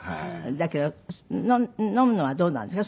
だけど飲むのはどうなんですか？